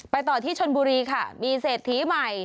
ต่อที่ชนบุรีค่ะมีเศรษฐีใหม่